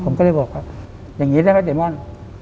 ผมก็เลยบอกว่าอย่างนี้ได้ไหมเดมอน